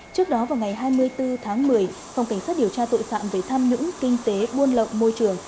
trước đó vào ngày hai mươi bốn tháng một mươi phòng cảnh sát điều tra tội phạm về tham nhũng kinh tế buôn lậu môi trường